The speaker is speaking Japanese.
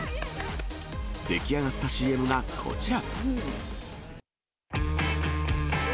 出来上がったＣＭがこちら。